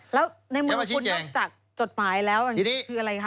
แล้วในเมืองคุณนอกจากจดหมายแล้วคืออะไรคะ